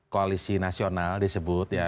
koalisi nasional disebut